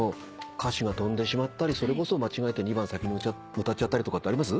歌詞が飛んでしまったりそれこそ間違えて２番先に歌っちゃったりとかあります？